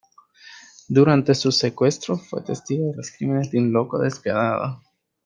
Durante su secuestro, fue testigo de los crímenes de un loco despiadado.